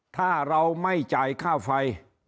ถ้าเราไม่จ่ายค่าไฟ